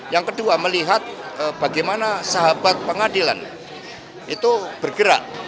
yang kedua melihat bagaimana sahabat pengadilan itu bergerak